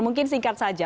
mungkin singkat saja